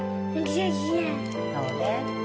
そうね。